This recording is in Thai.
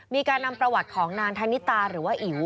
มีการนำประวัติของนางธนิตาหรือว่าอิ๋ว